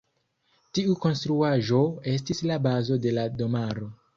Tiu konstruaĵo estis la bazo de la domaro.